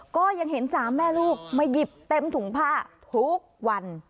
ก็ยังเห็นสามแม่ลูกมาหยิบเต็มถุงผ้าทุกวัน